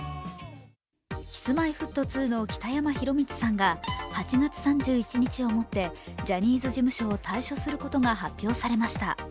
Ｋｉｓ−Ｍｙ−Ｆｔ２の北山宏光さんが８月３１日をもってジャニーズ事務所を退所することが発表されました。